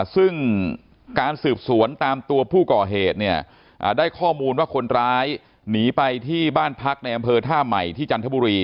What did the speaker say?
ซึ่งการสืบสวนตามตัวผู้ก่อเหตุเนี่ยได้ข้อมูลว่าคนร้ายหนีไปที่บ้านพักในอำเภอท่าใหม่ที่จันทบุรี